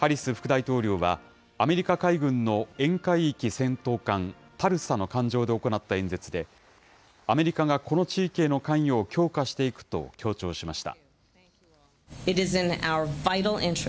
ハリス副大統領は、アメリカ海軍の沿海域戦闘艦、タルサの艦上で行った演説で、アメリカがこの地域への関与を強化していくと強調しました。